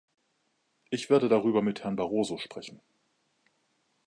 Ich werde darüber mit Herrn Barroso sprechen.